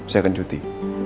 saya akan cuti